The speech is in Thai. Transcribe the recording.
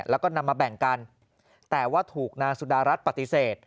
แล้วก็นำมาแบ่งกันแต่ว่าถูกนางสุดารัฐปฏิเสธ